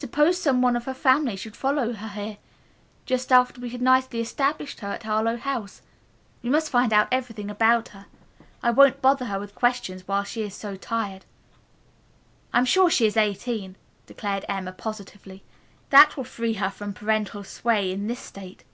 Suppose some one of her family should follow her here just after we had nicely established her at Harlowe House? We must find out everything about her. I won't bother her with questions while she is so tired." "I am sure she is eighteen," declared Emma positively. "That will free her from parental sway in this state.